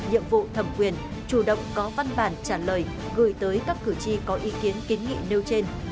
nhiệm vụ thẩm quyền chủ động có văn bản trả lời gửi tới các cử tri có ý kiến kiến nghị nêu trên